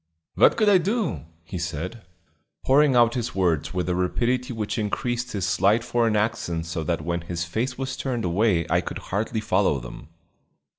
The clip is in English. "What could I do?" he said, pouring out his words with a rapidity which increased his slight foreign accent so that when his face was turned away I could hardly follow them.